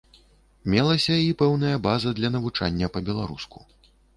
Мелася і пэўная база для навучання па-беларуску.